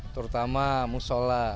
terutama musyola yang ada di atas pohon